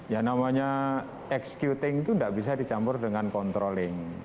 ya namanya executing itu tidak bisa dicampur dengan controlling